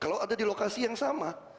kalau ada di lokasi yang sama